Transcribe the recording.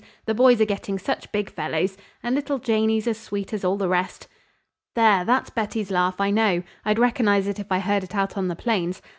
The boys are getting such big fellows, and little Janey's as sweet as all the rest." "There! That's Betty's laugh, I know. I'd recognize it if I heard it out on the plains.